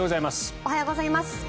おはようございます。